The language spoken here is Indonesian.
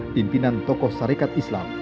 pimpinan tokoh sarekat islam